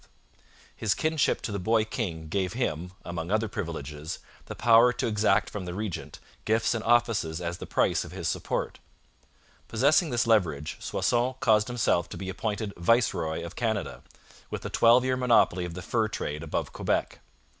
His kinship to the boy king gave him, among other privileges, the power to exact from the regent gifts and offices as the price of his support. Possessing this leverage, Soissons caused himself to be appointed viceroy of Canada, with a twelve year monopoly of the fur trade above Quebec.